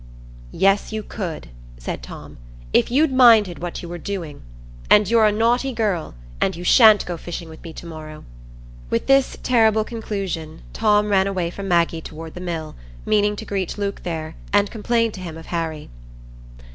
"Yes, you could," said Tom, "if you'd minded what you were doing. And you're a naughty girl, and you sha'n't go fishing with me to morrow." With this terrible conclusion, Tom ran away from Maggie toward the mill, meaning to greet Luke there, and complain to him of Harry.